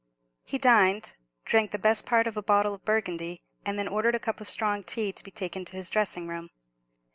He dined, drank the best part of a bottle of Burgundy, and then ordered a cup of strong tea to be taken to his dressing room.